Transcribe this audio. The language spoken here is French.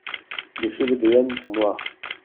Les cheveux de Yann sont noirs.